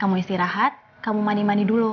kamu istirahat kamu mani mani dulu ya